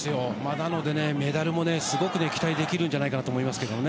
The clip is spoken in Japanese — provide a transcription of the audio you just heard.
なのでね、メダルもすごく期待できるんじゃないかなと思いますけどね。